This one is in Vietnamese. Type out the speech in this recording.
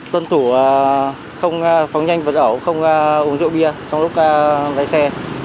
tuân thủ không phóng nhanh vật ẩu không uống rượu bia trong lúc lái xe